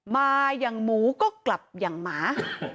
มาอย่างหมูก็กลับอย่างหมา